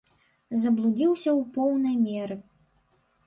Заблудзіліся ў поўнай меры.